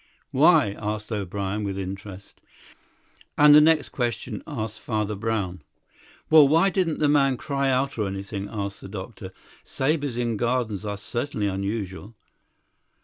"Why?" asked O'Brien, with interest. "And the next question?" asked Father Brown. "Well, why didn't the man cry out or anything?" asked the doctor; "sabres in gardens are certainly unusual."